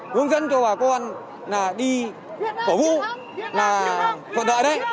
hướng dẫn cho bà con là đi cổ vũ là còn đợi đấy